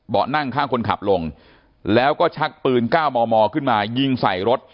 นั่งข้างคนขับลงแล้วก็ชักปืน๙มมขึ้นมายิงใส่รถ